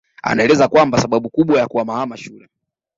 Anaeleza kwamba sababu kubwa ya kuhamahama shule